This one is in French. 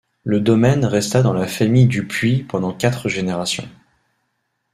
Le domaine resta dans la famille Du Puys pendant quatre générations.